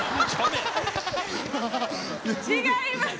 違います！